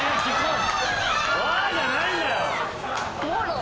「うわ！」じゃないんだよ！